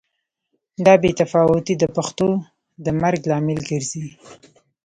دا بې تفاوتي د پښتو د مرګ لامل ګرځي.